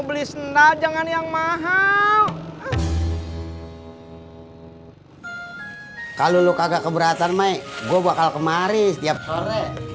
beli sendah jangan yang mahal kalau lo kagak keberatan mai gue bakal kemari setiap sore